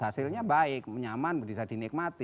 hasilnya baik nyaman bisa dinikmati